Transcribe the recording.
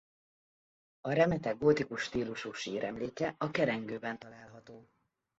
A remete gótikus stílusú síremléke a kerengőben található.